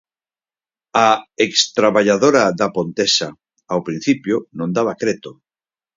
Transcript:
A extraballadora da Pontesa, ao principio, non daba creto.